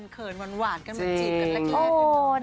เขินหวานกันเหมือนจีน